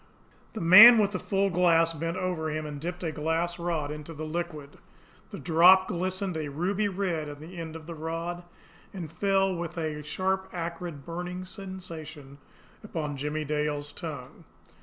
The man with the full glass bent over him, and dipped a glass rod into the liquid. The drop glistened a ruby red on the end of the rod and fell with a sharp, acrid, burning sensation upon Jimmie Dale's tongue.